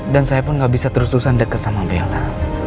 dan saya pun nggak bisa terus terusan deket sama bella